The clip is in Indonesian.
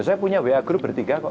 saya punya wa group bertiga kok